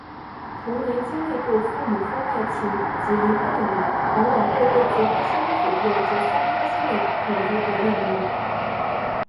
童年经历过父母婚外情及离婚的人往往会对结婚生子有着相当深的恐惧和厌恶。